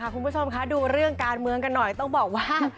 คุณผู้ชมคะดูเรื่องการเมืองกันหน่อยต้องบอกว่า